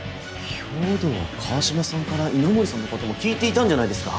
兵藤は川島さんから稲森さんのことも聞いていたんじゃないですか？